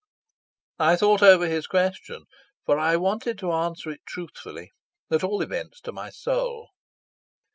I thought over his question, for I wanted to answer it truthfully, at all events to my soul.